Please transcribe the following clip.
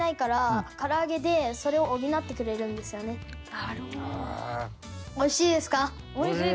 なるほど。